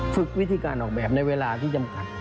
วิธีการออกแบบในเวลาที่จำกัด